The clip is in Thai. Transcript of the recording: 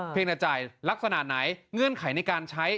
จะจ่ายลักษณะไหนเงื่อนไขในการใช้